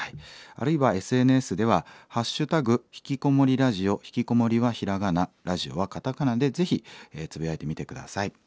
あるいはＳＮＳでは「＃ひきこもりラジオ」「ひきこもり」は平仮名「ラジオ」はカタカナでぜひつぶやいてみて下さい。